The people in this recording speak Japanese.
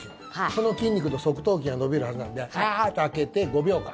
この筋肉と側頭筋が伸びるはずなのではーって開けて５秒間。